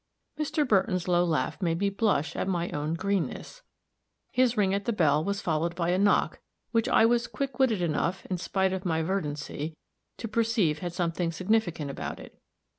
Mr. Burton's low laugh made me blush at my own "greenness." His ring at the bell was followed by a knock, which I was quick witted enough, in spite of my verdancy, to perceive had something significant about it.